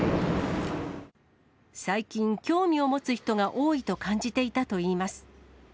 最近、興味を持つ人が多いと感じていたといいます。